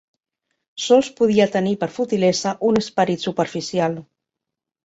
Sols podia tenir per futilesa un esperit superficial.